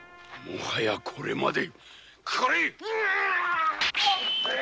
もはやこれまでかかれ！